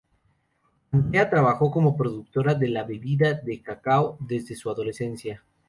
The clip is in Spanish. Andrea trabajó como productora de la bebida de cacao desde su adolescencia.